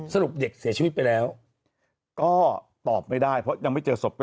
สรุปเด็กเสียชีวิตไปแล้วก็ตอบไม่ได้เพราะยังไม่เจอศพ